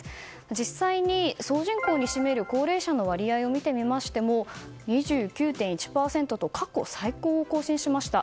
実際、総人口に占める高齢者の割合を見てみましても２９．１％と過去最高を更新しました。